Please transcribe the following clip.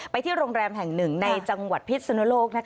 ที่โรงแรมแห่งหนึ่งในจังหวัดพิษนุโลก